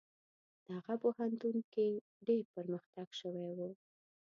دغه پوهنتون کې ډیر پرمختګ شوی و.